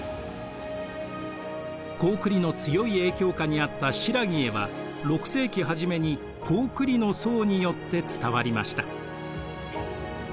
高句麗の強い影響下にあった新羅へは６世紀初めに高句麗の僧によって伝わりました。